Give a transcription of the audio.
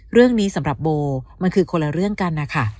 เรื่องนี้สำหรับโบมันคือคนละเรื่องกันนะคะ